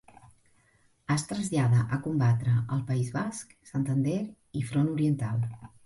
Es trasllada a combatre al País Basc, Santander i front oriental.